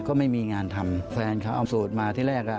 ก็ไม่มีงานทำแฟนเขาเอาสูตรมาที่แรก